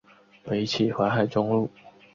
北起淮海中路。